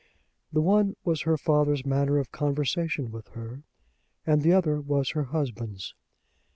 The one was her father's manner of conversation with her, and the other was her husband's.